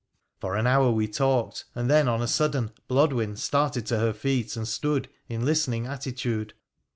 For an hour we talked, and then on a sudden Blodwen started to her feet and stood in listening attitude.